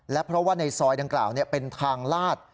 เพราะว่าในซอยดังกล่าวเป็นทางลาด